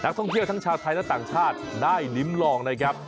ท่องเที่ยวทั้งชาวไทยและต่างชาติได้ลิ้มลองนะครับ